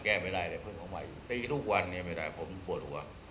แก้ไม่ได้เลยเพิ่งเอาใหม่ตีทุกวันนี้ไม่ได้ผมปวดหัว